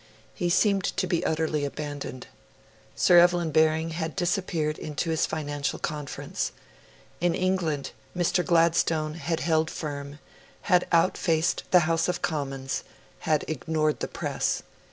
He seemed to be utterly abandoned. Sir Evelyn Baring had disappeared into his financial conference. In England, Mr. Gladstone had held firm, had outfaced the House of Commons, had ignored the Press.